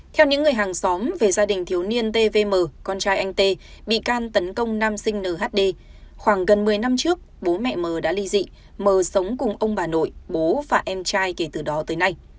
theo những người hàng xóm về gia đình thiếu niên tvm con trai anh tê bị can tấn công nam sinh nhd khoảng gần một mươi năm trước bố mẹ mờ đã ly dị mờ sống cùng ông bà nội bố và em trai kể từ đó tới nay